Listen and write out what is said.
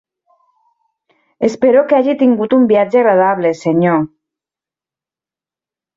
Espero que hagi tingut un viatge agradable, senyor.